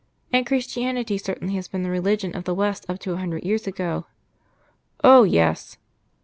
"And Christianity certainly has been the Religion of the West up to a hundred years ago?" "Oh! yes."